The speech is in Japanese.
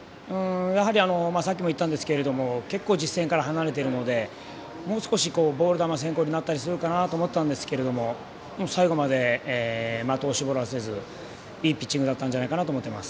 さっきも言ったんですけど結構、実戦から離れてるのでもう少しボール球先行になったりするかなと思ったんですけど最後まで、的を絞らせずにいいピッチングだったんじゃないかなと思います。